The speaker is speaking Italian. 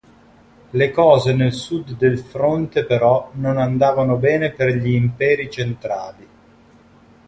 Le cose nel sud del fronte, però, non andavano bene per gli Imperi centrali.